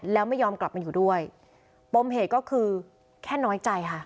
แล้วไม่ยอมกลับมาอยู่ด้วยปมเหตุก็คือแค่น้อยใจค่ะ